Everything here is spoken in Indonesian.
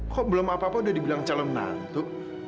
kok belum apa apa udah dibilang calon nantuk